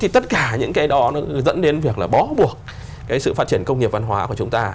tất cả những cái đó dẫn đến việc bó buộc sự phát triển công nghiệp văn hóa của chúng ta